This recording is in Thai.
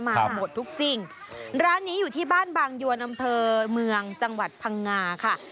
มาหมดทุกสิ่งร้านนี้อยู่ที่บ้านบางยวนอำเภอเมืองจังหวัดพังงาค่ะ